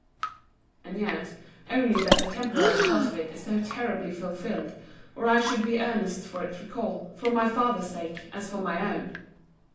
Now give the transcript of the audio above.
And yet, only that the temporary part of it is so terribly fulfilled, or I should be as earnest for its recall, for my father's sake, as for my own!